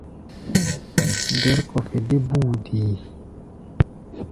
Dɛ̌r-kɔfɛ dé búu deé.